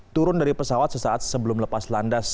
turun dari pesawat sesaat sebelum lepas landas